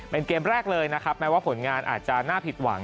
เป็นเกมแรกเลยนะครับแม้ว่าผลงานอาจจะน่าผิดหวัง